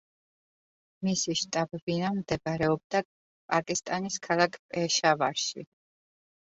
მისი შტაბ-ბინა მდებარეობდა პაკისტანის ქალაქ პეშავარში.